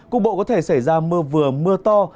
cục bộ có thể xảy ra mưa vừa mưa to